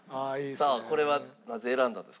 さあこれはなぜ選んだんですか？